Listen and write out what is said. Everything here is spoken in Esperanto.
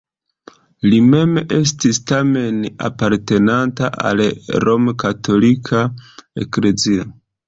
Li mem estis tamen apartenanta al romkatolika eklezio.